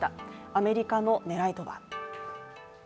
アメリカの狙いとは。